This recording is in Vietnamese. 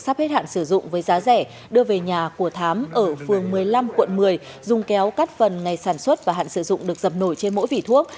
sắp hết hạn sử dụng với giá rẻ đưa về nhà của thám ở phường một mươi năm quận một mươi dùng kéo cắt phần ngày sản xuất và hạn sử dụng được dập nổi trên mỗi vỉ thuốc